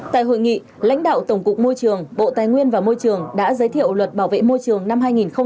tại hội nghị lãnh đạo tổng cục môi trường bộ tài nguyên và môi trường đã giới thiệu luật bảo vệ môi trường năm hai nghìn một mươi ba